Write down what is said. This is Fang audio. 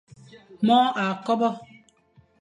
Môr a kobe.